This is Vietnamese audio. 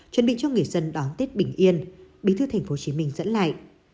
chuẩn bị cho người dân đón tết bình yên bí thư tp hcm dẫn lại